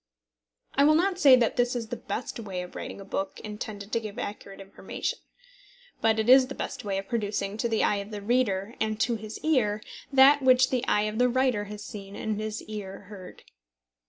I will not say that this is the best way of writing a book intended to give accurate information. But it is the best way of producing to the eye of the reader, and to his ear, that which the eye of the writer has seen and his ear heard.